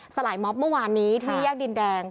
ลายม็อบเมื่อวานนี้ที่แยกดินแดง